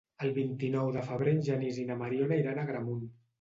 El vint-i-nou de febrer en Genís i na Mariona iran a Agramunt.